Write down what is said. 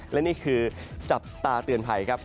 และนี่คือจับตาเตือนภัยครับ